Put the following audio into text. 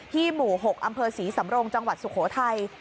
หมู่๖อำเภอศรีสำรงจังหวัดสุโขทัย